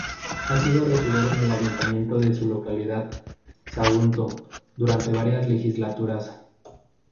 Ha sido regidor en el ayuntamiento de su localidad, Sagunto, durante varias legislaturas.